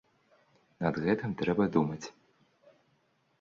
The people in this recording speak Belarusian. Над гэтым трэба думаць.